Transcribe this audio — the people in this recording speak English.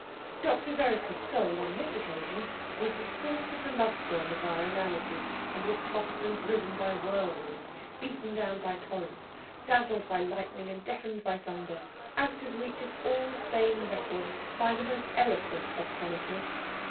Dr. Vereker's soul, on this occasion, was the sport of the love storm of our analogy, and was tossed and driven by whirlwinds, beaten down by torrents, dazzled by lightning and deafened by thunder, out of reach of all sane record by the most eloquent of chroniclers.